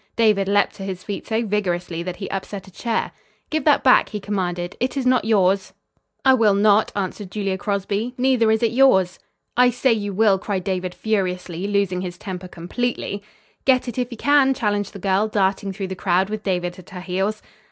David leaped to his feet so vigorously that he upset a chair. "Give that back!" he commanded. "It is not yours." [Illustration: "Give That Back! It Is Not Yours."] "I will not," answered Julia Crosby. "Neither is it yours." "I say you will," cried David, furiously, losing his temper completely. "Get it if you can!" challenged the girl, darting through the crowd with David at her heels.